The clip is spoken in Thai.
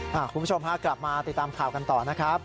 คุณผู้ชมฮะกลับมาติดตามข่าวกันต่อนะครับ